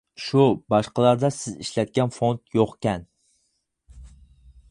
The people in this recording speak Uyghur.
شۇ باشقىلاردا سىز ئىشلەتكەن فونت يوقكەن.